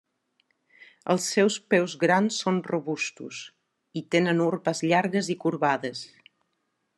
Els seus peus grans són robustos i tenen urpes llargues i corbades.